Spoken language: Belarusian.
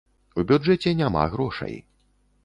У бюджэце няма грошай.